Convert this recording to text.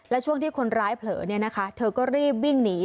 และช่วงที่คนร้ายเผลอเธอก็รีบวิ่งหนี